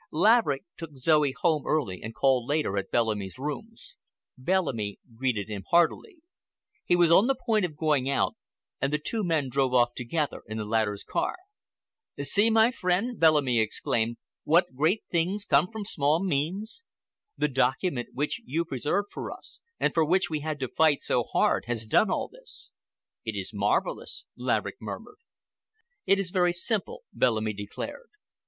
Laverick took Zoe home early and called later at Bellamy's rooms. Bellamy greeted him heartily. He was on the point of going out, and the two men drove off together in the latter's car. "See, my dear friend," Bellamy exclaimed, "what great things come from small means! The document which you preserved for us, and for which we had to fight so hard, has done all this." "It is marvelous!" Laverick murmured. "It is very simple," Bellamy declared.